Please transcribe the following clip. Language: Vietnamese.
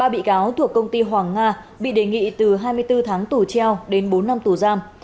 ba bị cáo thuộc công ty hoàng nga bị đề nghị từ hai mươi bốn tháng tù treo đến bốn năm tù giam